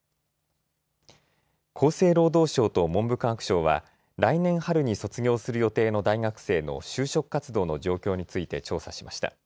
厚生労働省と文部科学省は来年春に卒業する予定の大学生の就職活動の状況について調査しました。